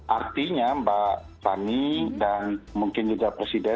artinya mbak fani dan mungkin juga presiden